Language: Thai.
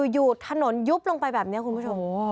อยู่ถนนยุบลงไปแบบนี้คุณผู้ชม